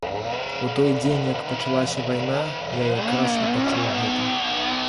У той дзень, як пачалася вайна, я якраз і пачуў гэта.